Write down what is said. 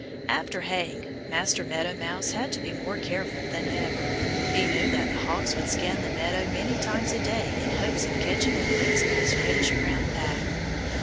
After haying Master Meadow Mouse had to be more careful than ever. He knew that the hawks would scan the meadow many times a day in hopes of catching a glimpse of his reddish brown back.